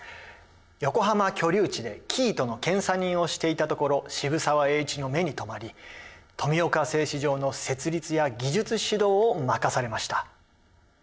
横浜居留地で生糸の検査人をしていたところ渋沢栄一の目に留まり富岡製糸場の設立や技術指導を任されました。